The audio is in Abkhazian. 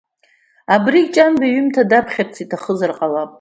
Абригь Ҷанба иҩымҭа даԥхьарц иҭахызар ҟалап…